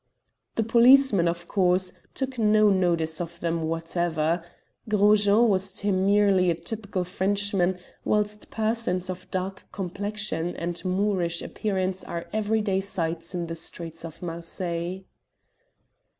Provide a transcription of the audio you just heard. The policeman, of course, took no notice of them whatever. Gros Jean was to him merely a typical Frenchman, whilst persons of dark complexion and Moorish appearance are everyday sights in the streets of Marseilles.